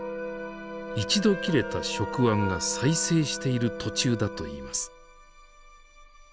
一度切れた触腕が再生している途中だといいます。